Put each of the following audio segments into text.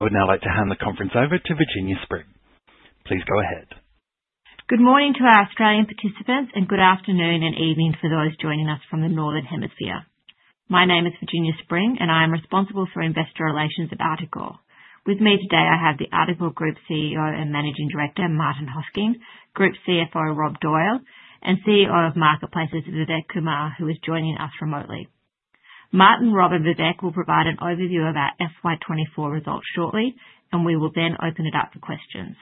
I would now like to hand the conference over to Virginia Spring. Please go ahead. Good morning to our Australian participants, and good afternoon and evening for those joining us from the Northern Hemisphere. My name is Virginia Spring, and I am responsible for investor relations at Articore. With me today, I have the Articore Group CEO and Managing Director, Martin Hosking, Group CFO, Rob Doyle, and CEO of Marketplaces, Vivek Kumar, who is joining us remotely. Martin, Rob, and Vivek will provide an overview of our FY24 results shortly, and we will then open it up for questions.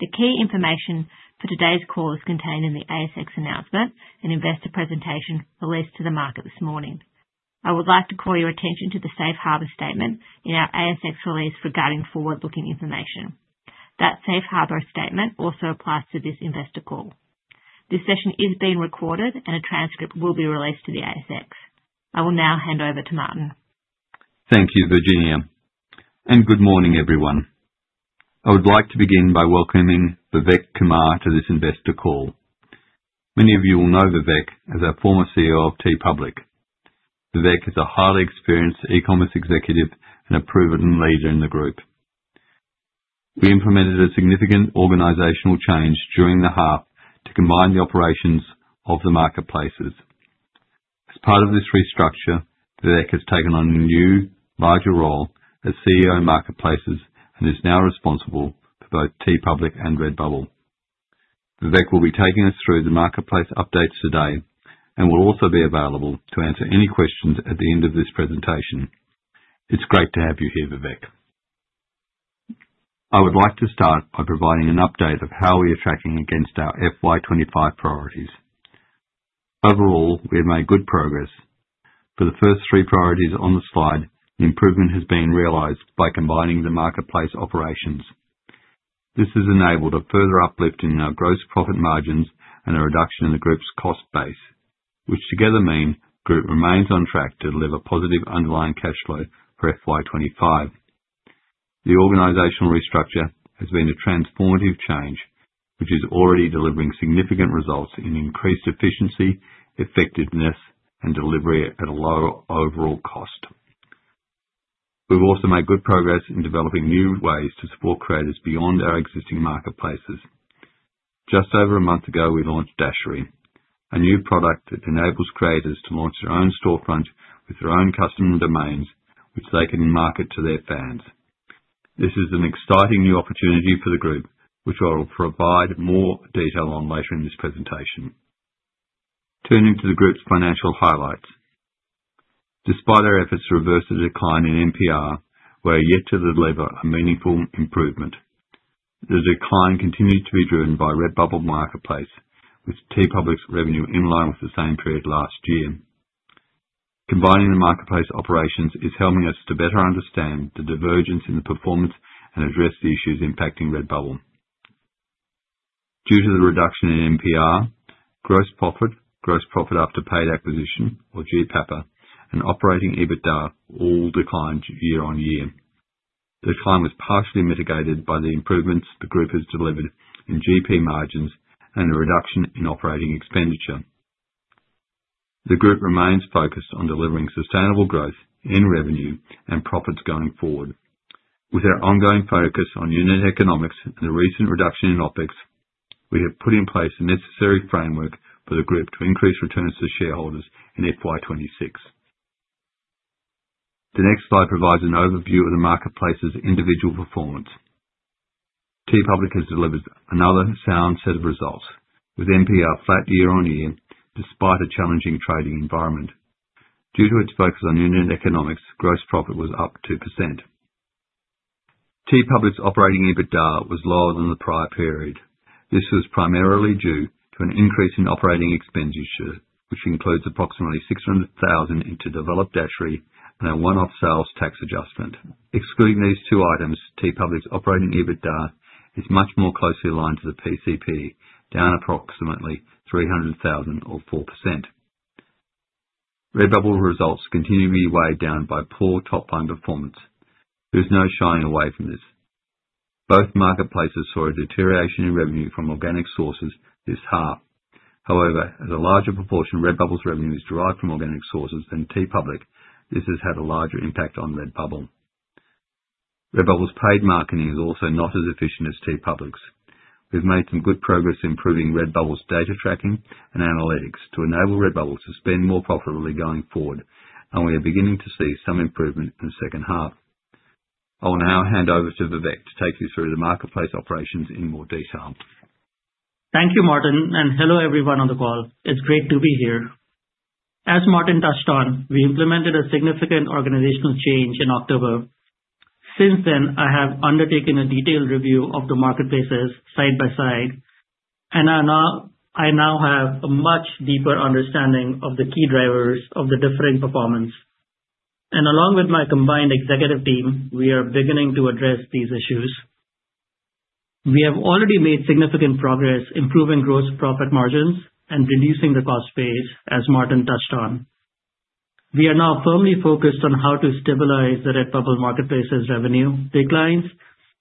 The key information for today's call is contained in the ASX announcement and investor presentation released to the market this morning. I would like to call your attention to the Safe Harbour statement in our ASX release regarding forward-looking information. That Safe Harbour statement also applies to this investor call. This session is being recorded, and a transcript will be released to the ASX. I will now hand over to Martin. Thank you, Virginia. Good morning, everyone. I would like to begin by welcoming Vivek Kumar to this investor call. Many of you will know Vivek as a former CEO of TeePublic. Vivek is a highly experienced e-commerce executive and a proven leader in the group. We implemented a significant organizational change during the half to combine the operations of the marketplaces. As part of this restructure, Vivek has taken on a new, larger role as CEO of Marketplaces and is now responsible for both TeePublic and Redbubble. Vivek will be taking us through the marketplace updates today and will also be available to answer any questions at the end of this presentation. It's great to have you here, Vivek. I would like to start by providing an update of how we are tracking against our FY2025 priorities. Overall, we have made good progress. For the first three priorities on the slide, the improvement has been realized by combining the marketplace operations. This has enabled a further uplift in our gross profit margins and a reduction in the group's cost base, which together mean the group remains on track to deliver positive underlying cash flow for FY2025. The organizational restructure has been a transformative change, which is already delivering significant results in increased efficiency, effectiveness, and delivery at a lower overall cost. We've also made good progress in developing new ways to support creators beyond our existing marketplaces. Just over a month ago, we launched Dashery, a new product that enables creators to launch their own storefront with their own custom domains, which they can market to their fans. This is an exciting new opportunity for the group, which I will provide more detail on later in this presentation. Turning to the group's financial highlights, despite our efforts to reverse the decline in MPR, we are yet to deliver a meaningful improvement. The decline continues to be driven by Redbubble Marketplace, with TeePublic's revenue in line with the same period last year. Combining the marketplace operations is helping us to better understand the divergence in the performance and address the issues impacting Redbubble. Due to the reduction in MPR, gross profit, gross profit after paid acquisition, or GPAPA, and operating EBITDA all declined year on year. The decline was partially mitigated by the improvements the group has delivered in GP margins and a reduction in operating expenditure. The group remains focused on delivering sustainable growth in revenue and profits going forward. With our ongoing focus on unit economics and the recent reduction in OpEx, we have put in place the necessary framework for the group to increase returns to shareholders in FY2026. The next slide provides an overview of the marketplace's individual performance. TeePublic has delivered another sound set of results, with MPR flat year on year despite a challenging trading environment. Due to its focus on unit economics, gross profit was up 2%. TeePublic's operating EBITDA was lower than the prior period. This was primarily due to an increase in operating expenditure, which includes approximately 600,000 into developing Dashery and a one-off sales tax adjustment. Excluding these two items, TeePublic's operating EBITDA is much more closely aligned to the PCP, down approximately 300,000 or 4%. Redbubble results continue to be weighed down by poor top-line performance. There is no shying away from this. Both marketplaces saw a deterioration in revenue from organic sources this half. However, as a larger proportion, Redbubble's revenue is derived from organic sources than TeePublic. This has had a larger impact on Redbubble. Redbubble's paid marketing is also not as efficient as TeePublic's. We've made some good progress improving Redbubble's data tracking and analytics to enable Redbubble to spend more profitably going forward, and we are beginning to see some improvement in the second half. I will now hand over to Vivek to take you through the marketplace operations in more detail. Thank you, Martin, and hello everyone on the call. It's great to be here. As Martin touched on, we implemented a significant organizational change in October. Since then, I have undertaken a detailed review of the marketplaces side by side, and I now have a much deeper understanding of the key drivers of the differing performance. Along with my combined executive team, we are beginning to address these issues. We have already made significant progress improving gross profit margins and reducing the cost base, as Martin touched on. We are now firmly focused on how to stabilize the Redbubble marketplace's revenue declines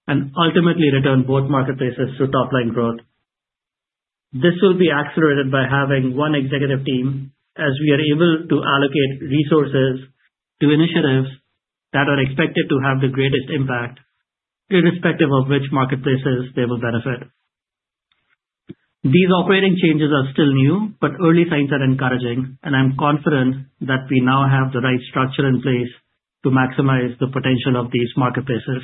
and ultimately return both marketplaces to top-line growth. This will be accelerated by having one executive team, as we are able to allocate resources to initiatives that are expected to have the greatest impact, irrespective of which marketplaces they will benefit. These operating changes are still new, but early signs are encouraging, and I'm confident that we now have the right structure in place to maximize the potential of these marketplaces.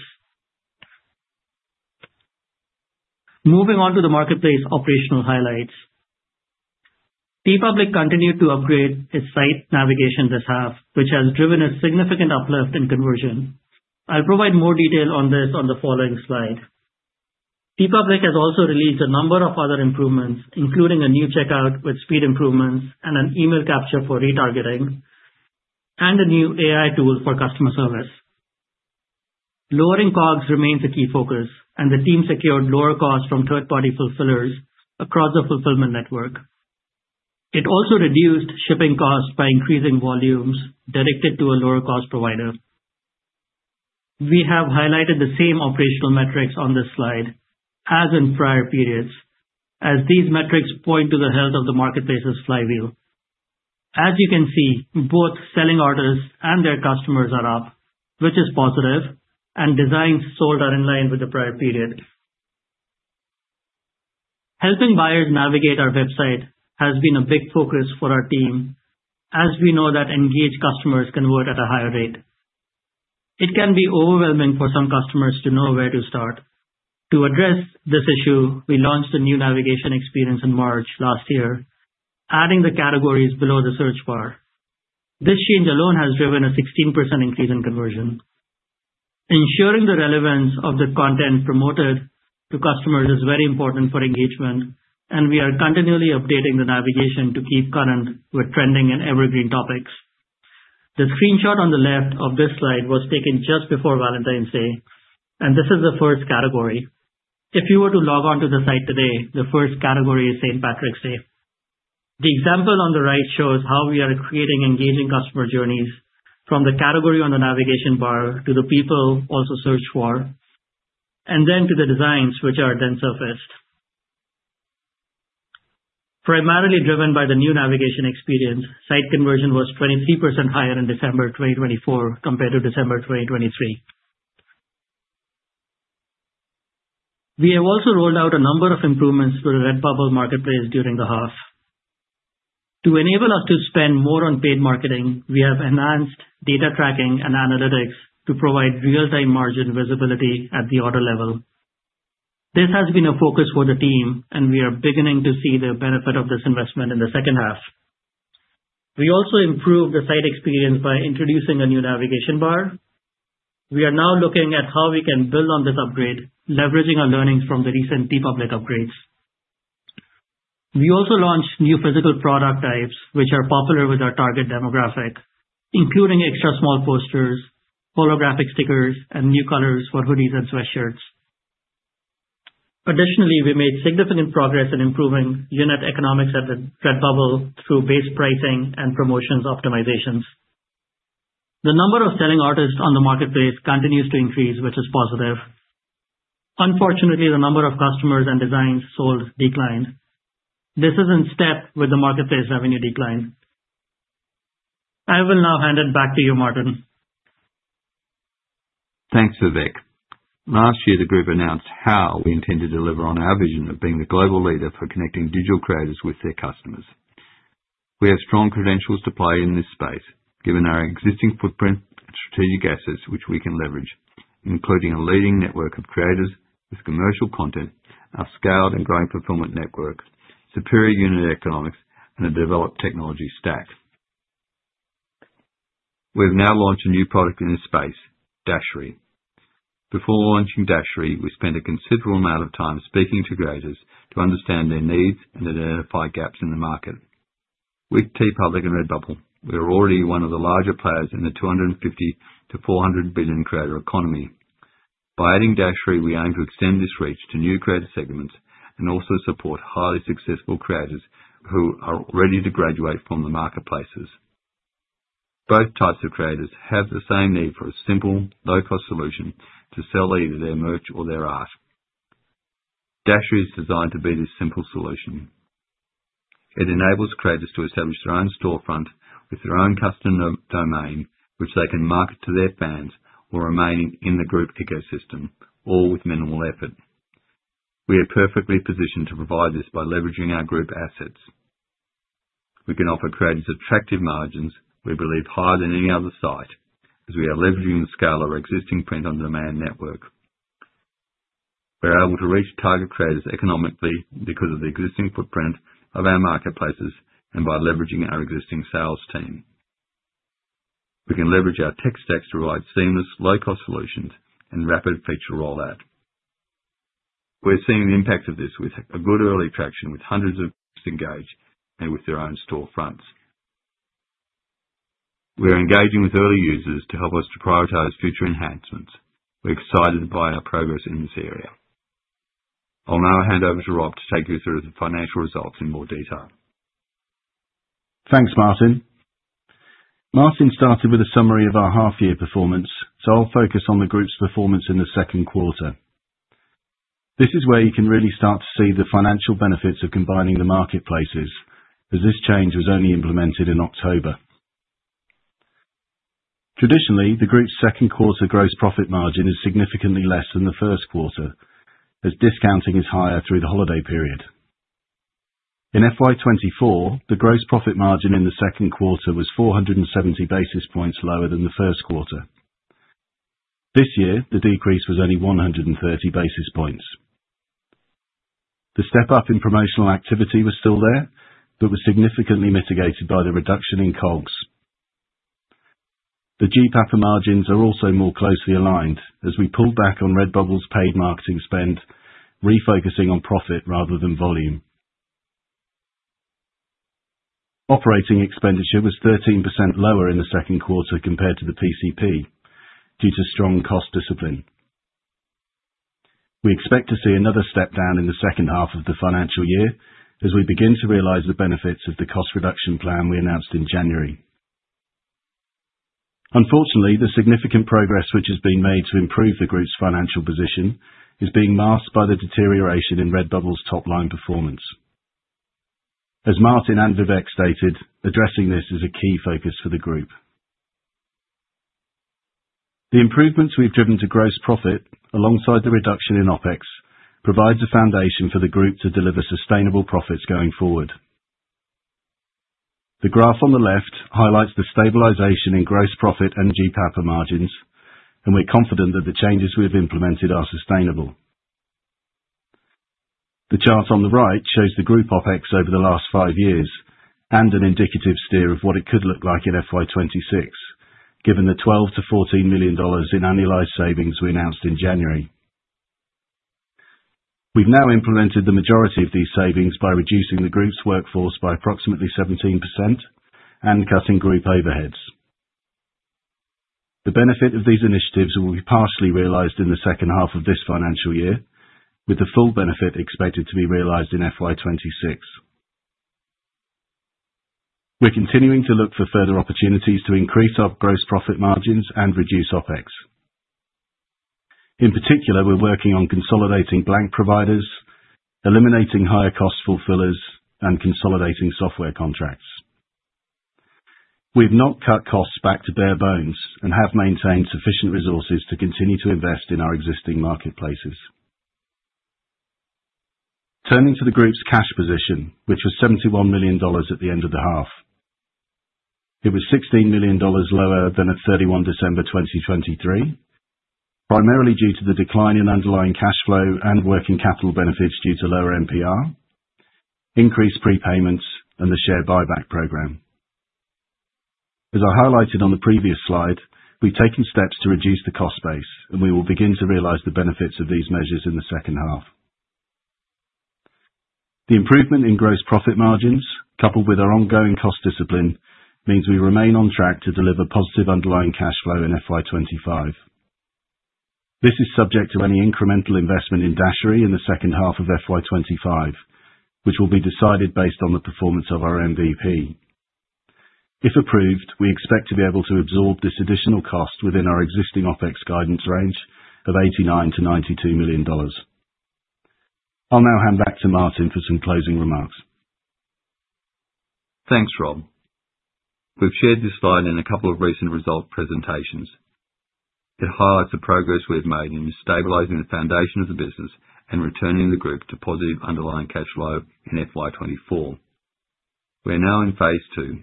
Moving on to the marketplace operational highlights, TeePublic continued to upgrade its site navigation this half, which has driven a significant uplift in conversion. I'll provide more detail on this on the following slide. TeePublic has also released a number of other improvements, including a new checkout with speed improvements and an email capture for retargeting, and a new AI tool for customer service. Lowering COGS remains a key focus, and the team secured lower costs from third-party fulfillers across the fulfillment network. It also reduced shipping costs by increasing volumes directed to a lower-cost provider. We have highlighted the same operational metrics on this slide as in prior periods, as these metrics point to the health of the marketplace's flywheel. As you can see, both selling orders and their customers are up, which is positive, and designs sold are in line with the prior period. Helping buyers navigate our website has been a big focus for our team, as we know that engaged customers convert at a higher rate. It can be overwhelming for some customers to know where to start. To address this issue, we launched a new navigation experience in March last year, adding the categories below the search bar. This change alone has driven a 16% increase in conversion. Ensuring the relevance of the content promoted to customers is very important for engagement, and we are continually updating the navigation to keep current with trending and evergreen topics. The screenshot on the left of this slide was taken just before Valentine's Day, and this is the first category. If you were to log on to the site today, the first category is St. Patrick's Day. The example on the right shows how we are creating engaging customer journeys from the category on the navigation bar to the people also searched for, and then to the designs which are then surfaced. Primarily driven by the new navigation experience, site conversion was 23% higher in December 2024 compared to December 2023. We have also rolled out a number of improvements to the Redbubble marketplace during the half. To enable us to spend more on paid marketing, we have enhanced data tracking and analytics to provide real-time margin visibility at the order level. This has been a focus for the team, and we are beginning to see the benefit of this investment in the second half. We also improved the site experience by introducing a new navigation bar. We are now looking at how we can build on this upgrade, leveraging our learnings from the recent TeePublic upgrades. We also launched new physical product types, which are popular with our target demographic, including extra small posters, holographic stickers, and new colors for hoodies and sweatshirts. Additionally, we made significant progress in improving unit economics at Redbubble through base pricing and promotions optimizations. The number of selling artists on the marketplace continues to increase, which is positive. Unfortunately, the number of customers and designs sold declined. This is in step with the marketplace revenue decline. I will now hand it back to you, Martin. Thanks, Vivek. Last year, the group announced how we intend to deliver on our vision of being the global leader for connecting digital creators with their customers. We have strong credentials to play in this space, given our existing footprint and strategic assets which we can leverage, including a leading network of creators with commercial content, our scaled and growing fulfillment network, superior unit economics, and a developed technology stack. We have now launched a new product in this space, Dashary. Before launching Dashary, we spent a considerable amount of time speaking to creators to understand their needs and identify gaps in the market. With TeePublic and Redbubble, we are already one of the larger players in the 250-400 billion creator economy. By adding Dashary, we aim to extend this reach to new creator segments and also support highly successful creators who are ready to graduate from the marketplaces. Both types of creators have the same need for a simple, low-cost solution to sell either their merch or their art. Dashary is designed to be this simple solution. It enables creators to establish their own storefront with their own custom domain, which they can market to their fans or remain in the group ecosystem, all with minimal effort. We are perfectly positioned to provide this by leveraging our group assets. We can offer creators attractive margins we believe higher than any other site, as we are leveraging the scale of our existing print-on-demand network. We are able to reach target creators economically because of the existing footprint of our marketplaces and by leveraging our existing sales team. We can leverage our tech stacks to provide seamless, low-cost solutions and rapid feature rollout. We're seeing the impact of this with a good early traction with hundreds of users engaged and with their own storefronts. We are engaging with early users to help us to prioritize future enhancements. We're excited by our progress in this area. I'll now hand over to Rob to take you through the financial results in more detail. Thanks, Martin. Martin started with a summary of our half-year performance, so I'll focus on the group's performance in the second quarter. This is where you can really start to see the financial benefits of combining the marketplaces, as this change was only implemented in October. Traditionally, the group's second quarter gross profit margin is significantly less than the first quarter, as discounting is higher through the holiday period. In FY2024, the gross profit margin in the second quarter was 470 basis points lower than the first quarter. This year, the decrease was only 130 basis points. The step-up in promotional activity was still there, but was significantly mitigated by the reduction in COGS. The GPAPA margins are also more closely aligned, as we pulled back on Redbubble's paid marketing spend, refocusing on profit rather than volume. Operating expenditure was 13% lower in the second quarter compared to the PCP due to strong cost discipline. We expect to see another step down in the second half of the financial year as we begin to realize the benefits of the cost reduction plan we announced in January. Unfortunately, the significant progress which has been made to improve the group's financial position is being masked by the deterioration in Redbubble's top-line performance. As Martin and Vivek stated, addressing this is a key focus for the group. The improvements we've driven to gross profit, alongside the reduction in OpEx, provides a foundation for the group to deliver sustainable profits going forward. The graph on the left highlights the stabilization in gross profit and GPAPA margins, and we're confident that the changes we have implemented are sustainable. The chart on the right shows the group OpEx over the last five years and an indicative steer of what it could look like in FY2026, given the 12 million-14 million dollars in annualized savings we announced in January. We've now implemented the majority of these savings by reducing the group's workforce by approximately 17% and cutting group overheads. The benefit of these initiatives will be partially realized in the second half of this financial year, with the full benefit expected to be realized in FY2026. We're continuing to look for further opportunities to increase our gross profit margins and reduce OpEx. In particular, we're working on consolidating blank providers, eliminating higher-cost fulfillers, and consolidating software contracts. We've not cut costs back to bare bones and have maintained sufficient resources to continue to invest in our existing marketplaces. Turning to the group's cash position, which was 71 million dollars at the end of the half. It was 16 million dollars lower than at 31 December 2023, primarily due to the decline in underlying cash flow and working capital benefits due to lower NPR, increased prepayments, and the share buyback program. As I highlighted on the previous slide, we've taken steps to reduce the cost base, and we will begin to realize the benefits of these measures in the second half. The improvement in gross profit margins, coupled with our ongoing cost discipline, means we remain on track to deliver positive underlying cash flow in FY25. This is subject to any incremental investment in Dashary in the second half of FY25, which will be decided based on the performance of our MVP. If approved, we expect to be able to absorb this additional cost within our existing OpEx guidance range of 89 million-92 million dollars. I'll now hand back to Martin for some closing remarks. Thanks, Rob. We've shared this slide in a couple of recent result presentations. It highlights the progress we've made in stabilizing the foundation of the business and returning the group to positive underlying cash flow in FY 2024. We are now in phase two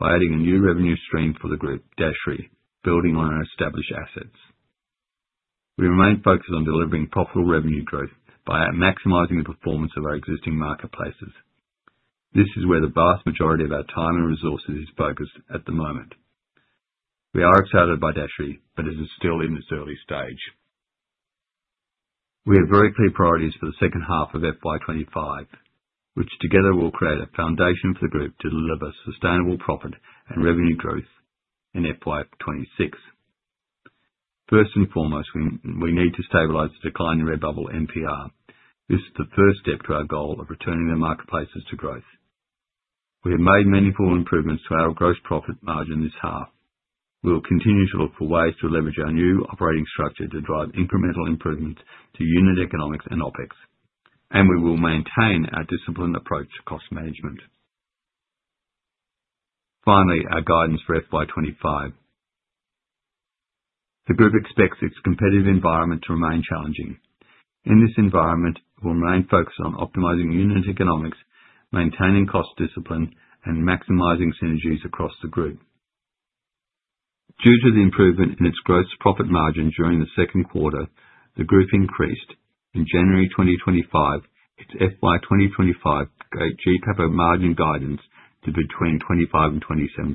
by adding a new revenue stream for the group, Dashary, building on our established assets. We remain focused on delivering profitable revenue growth by maximizing the performance of our existing marketplaces. This is where the vast majority of our time and resources is focused at the moment. We are excited by Dashary, but it is still in its early stage. We have very clear priorities for the second half of FY 2025, which together will create a foundation for the group to deliver sustainable profit and revenue growth in FY 2026. First and foremost, we need to stabilize the decline in Redbubble MPR. This is the first step to our goal of returning the marketplaces to growth. We have made meaningful improvements to our gross profit margin this half. We will continue to look for ways to leverage our new operating structure to drive incremental improvements to unit economics and OpEx, and we will maintain our disciplined approach to cost management. Finally, our guidance for FY2025. The group expects its competitive environment to remain challenging. In this environment, we'll remain focused on optimizing unit economics, maintaining cost discipline, and maximizing synergies across the group. Due to the improvement in its gross profit margin during the second quarter, the group increased. In January 2025, its FY2025 GPAPA margin guidance to between 25-27%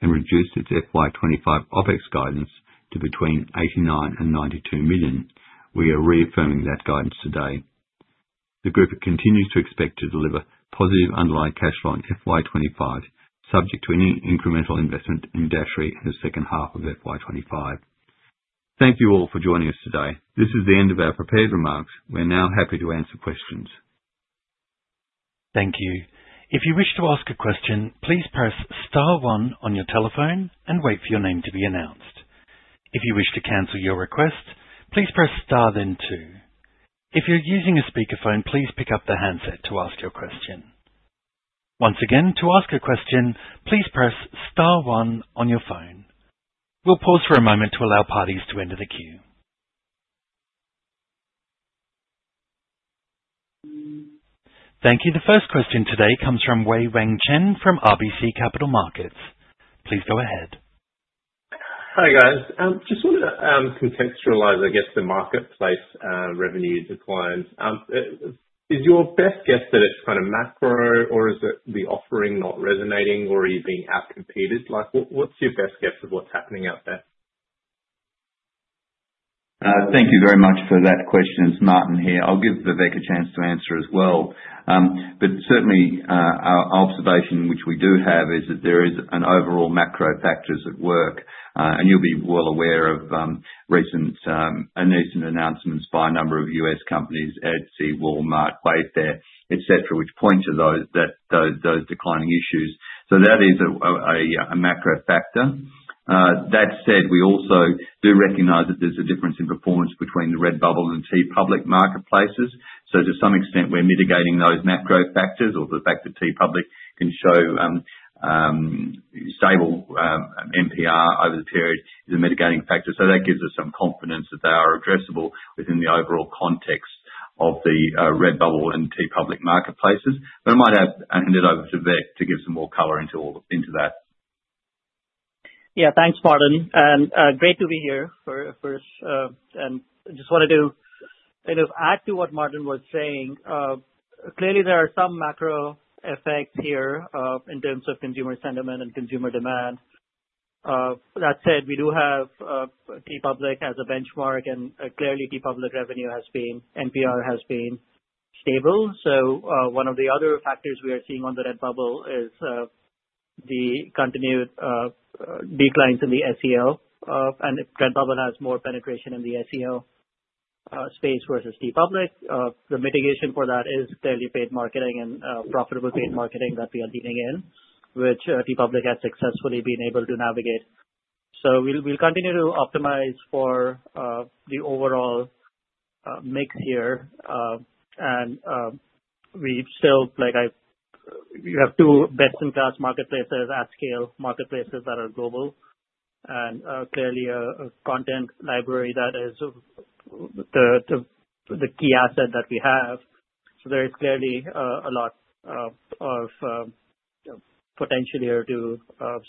and reduced its FY2025 OpEx guidance to between 89-92 million. We are reaffirming that guidance today. The group continues to expect to deliver positive underlying cash flow in FY2025, subject to any incremental investment in Dashary in the second half of FY2025. Thank you all for joining us today. This is the end of our prepared remarks. We're now happy to answer questions. Thank you. If you wish to ask a question, please press Star one on your telephone and wait for your name to be announced. If you wish to cancel your request, please press Star then two. If you're using a speakerphone, please pick up the handset to ask your question. Once again, to ask a question, please press Star one on your phone. We'll pause for a moment to allow parties to enter the queue. Thank you. The first question today comes from Wei Wang Chen from RBC Capital Markets. Please go ahead. Hi, guys. Just want to contextualize, I guess, the marketplace revenue declines. Is your best guess that it's kind of macro, or is it the offering not resonating, or are you being outcompeted? What's your best guess of what's happening out there? Thank you very much for that question. It's Martin here. I'll give Vivek a chance to answer as well. Certainly, our observation, which we do have, is that there is an overall macro factors at work. You will be well aware of recent announcements by a number of U.S companies, Etsy, Walmart, Wayfair, etc., which point to those declining issues. That is a macro factor. That said, we also do recognize that there's a difference in performance between the Redbubble and TeePublic marketplaces. To some extent, we're mitigating those macro factors, or the fact that TeePublic can show stable MPR over the period is a mitigating factor. That gives us some confidence that they are addressable within the overall context of the Redbubble and TeePublic marketplaces. I might hand it over to Vivek to give some more color into that. Yeah, thanks, Martin. Great to be here for this. I just wanted to add to what Martin was saying. Clearly, there are some macro effects here in terms of consumer sentiment and consumer demand. That said, we do have TeePublic as a benchmark, and clearly, TeePublic revenue and NPR has been stable. One of the other factors we are seeing on Redbubble is the continued declines in SEO. Redbubble has more penetration in the SEO space versus TeePublic. The mitigation for that is clearly paid marketing and profitable paid marketing that we are dealing in, which TeePublic has successfully been able to navigate. We will continue to optimize for the overall mix here. We still, like I said, have two best-in-class marketplaces at scale, marketplaces that are global, and clearly a content library that is the key asset that we have. There is clearly a lot of potential here to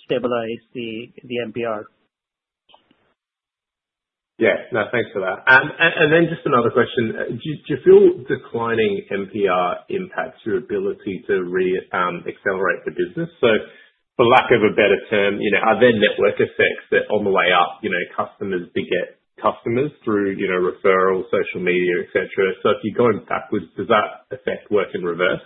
stabilize the MPR. Yeah, no, thanks for that. Just another question. Do you feel declining NPR impacts your ability to reaccelerate the business? For lack of a better term, are there network effects that on the way up, customers beget customers through referrals, social media, etc.? If you're going backwards, does that effect work in reverse?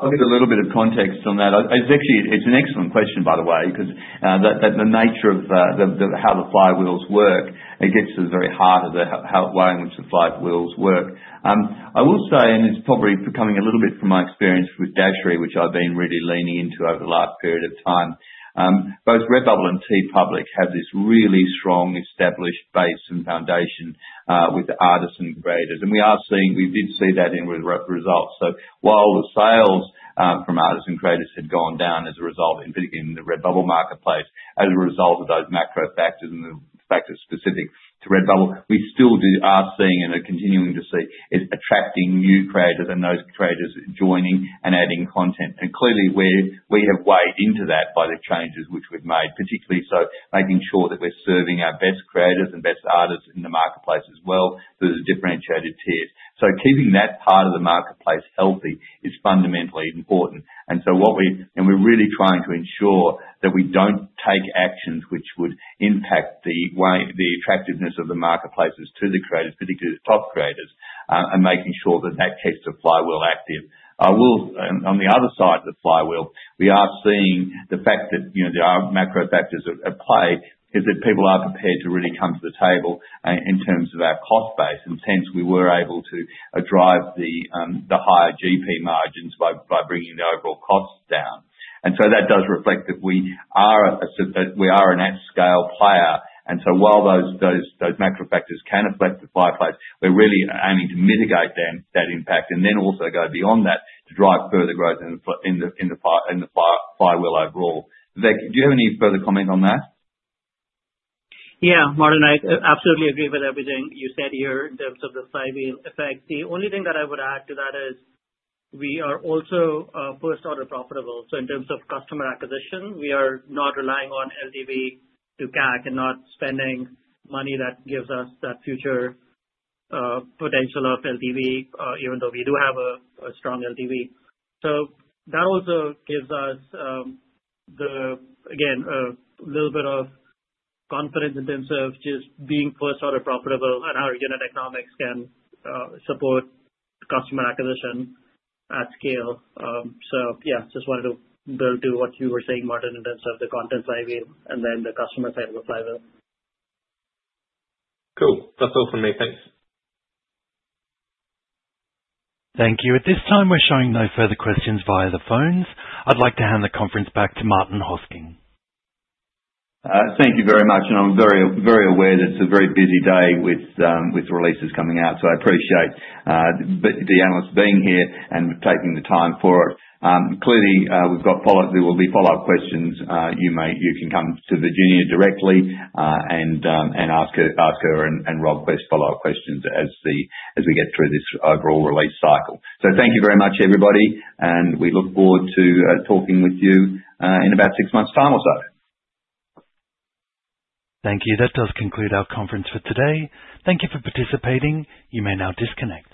I'll give a little bit of context on that. It's an excellent question, by the way, because the nature of how the flywheels work, it gets to the very heart of how it works, the flywheels work. I will say, and it's probably becoming a little bit from my experience with Dashary, which I've been really leaning into over the last period of time, both Redbubble and TeePublic have this really strong established base and foundation with artists and creators. We did see that in results. While the sales from artists and creators had gone down as a result, particularly in the Redbubble marketplace, as a result of those macro factors and the factors specific to Redbubble, we still are seeing and are continuing to see it attracting new creators and those creators joining and adding content. Clearly, we have weighed into that by the changes which we've made, particularly making sure that we're serving our best creators and best artists in the marketplace as well through the differentiated tiers. Keeping that part of the marketplace healthy is fundamentally important. We are really trying to ensure that we don't take actions which would impact the attractiveness of the marketplaces to the creators, particularly the top creators, and making sure that that keeps the flywheel active. On the other side of the flywheel, we are seeing the fact that there are macro factors at play is that people are prepared to really come to the table in terms of our cost base. Since we were able to drive the higher GP margins by bringing the overall costs down, that does reflect that we are an at-scale player. While those macro factors can affect the flywheels, we're really aiming to mitigate that impact and then also go beyond that to drive further growth in the flywheel overall. Vivek, do you have any further comment on that? Yeah, Martin, I absolutely agree with everything you said here in terms of the flywheel effects. The only thing that I would add to that is we are also first-order profitable. In terms of customer acquisition, we are not relying on LTV to CAC and not spending money that gives us that future potential of LTV, even though we do have a strong LTV. That also gives us, again, a little bit of confidence in terms of just being first-order profitable and how unit economics can support customer acquisition at scale. Yeah, just wanted to build to what you were saying, Martin, in terms of the content flywheel and then the customer side of the flywheel. Cool. That's all from me. Thanks. Thank you. At this time, we're showing no further questions via the phones. I'd like to hand the conference back to Martin Hosking. Thank you very much. I am very aware that it is a very busy day with releases coming out. I appreciate the analysts being here and taking the time for it. Clearly, we have got follow-up. There will be follow-up questions. You can come to Virginia directly and ask her and Rob best follow-up questions as we get through this overall release cycle. Thank you very much, everybody. We look forward to talking with you in about six months' time or so. Thank you. That does conclude our conference for today. Thank you for participating. You may now disconnect.